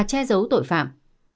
che giấu tội phạm